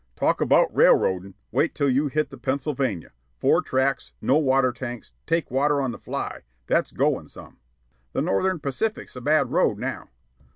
"Talk about railroadin' wait till you hit the Pennsylvania, four tracks, no water tanks, take water on the fly, that's goin' some." "The Northern Pacific's a bad road now."